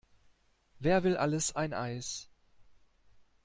Wer will alles ein Eis?